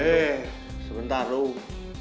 eh sebentar loh